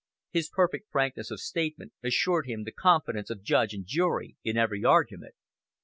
His perfect frankness of statement assured him the confidence of judge and jury in every argument.